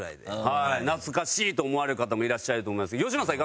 はい懐かしいと思われる方もいらっしゃると思いますけど吉村さん